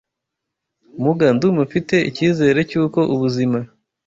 Muga ndumva mfite icyizere cy’uko ubuzima